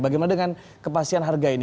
bagaimana dengan kepastian harga ini